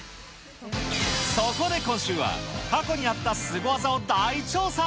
そこで今週は、過去にあったスゴ技を大調査。